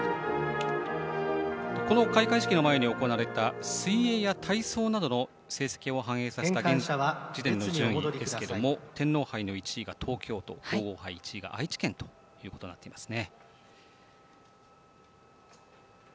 この開会式の前に行われた水泳や体操などの成績を反映させた現時点の順位ですが天皇杯の１位が東京都皇后杯１位が愛知県です。